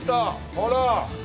ほら。